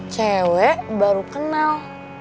cewek baru kenal